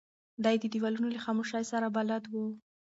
دی د دیوالونو له خاموشۍ سره بلد و.